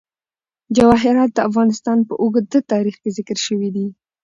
جواهرات د افغانستان په اوږده تاریخ کې ذکر شوی دی.